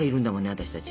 私たち。